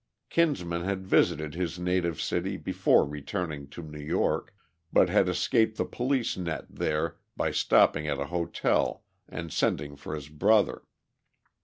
Kinsman had visited his native city before returning to New York, but had escaped the police net there by stopping at a hotel and sending for his brother.